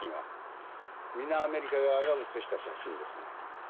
皆アメリカ側が写した写真ですね。